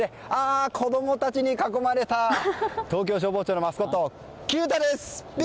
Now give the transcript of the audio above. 子供たちに囲まれた東京消防庁のマスコットキュータです。